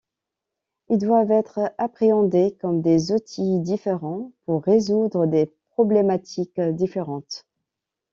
Ils doivent être appréhendés comme des outils différents pour résoudre des problématiques différentes.